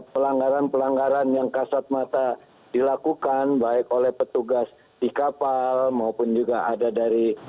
pelanggaran pelanggaran yang kasat mata dilakukan baik oleh petugas di kapal maupun juga ada dari